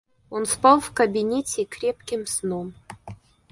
Он спал в кабинете крепким сном.